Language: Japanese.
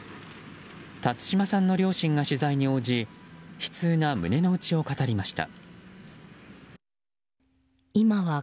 辰島さんの両親が取材に応じ悲痛な胸の内を語りました。